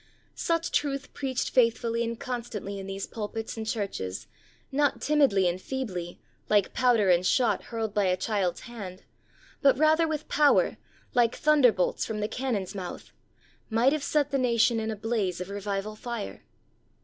Such truth preached faithfully and con stantly in these pulpits and churches — ^not timidly and feebly, like powder and shot hurled by a child's hand, but rather with power, like thunderbolts from the cannon's mouth — might have set the nation in a blaze of revival fire.